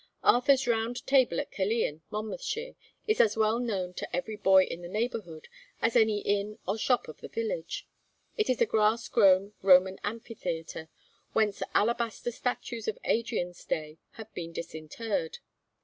Arthur's Round Table at Caerleon, Monmouthshire, is as well known to every boy in the neighbourhood as any inn or shop of the village. It is a grass grown Roman amphitheatre, whence alabaster statues of Adrian's day have been disinterred.